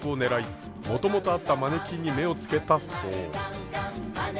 もともとあったマネキンに目をつけたそう。